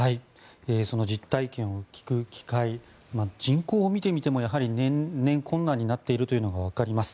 その実体験を聞く機会人口を見てみても年々困難になっているのがわかります。